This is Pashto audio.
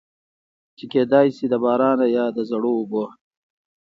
چې کېدے شي د بارانۀ يا د زړو اوبو